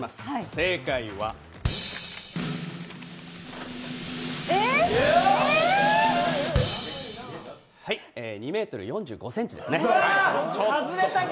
正解ははい、２ｍ４５ｃｍですね。